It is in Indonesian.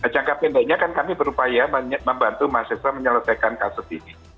jangka pendeknya kan kami berupaya membantu mahasiswa menyelesaikan kasus ini